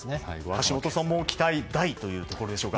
橋下さんも期待大というところでしょうか。